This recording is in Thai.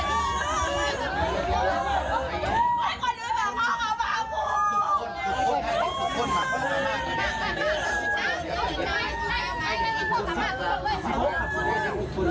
โหโอเตรนดี้๙๐ปี